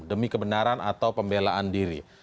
demi kebenaran atau pembelaan diri